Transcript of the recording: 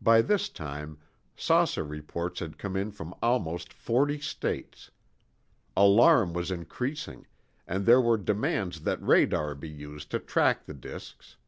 By this time, saucer reports had come in from almost forty states. Alarm was increasing, and there were demands that radar be used to track the disks.